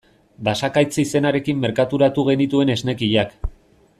Basakaitz izenarekin merkaturatu genituen esnekiak.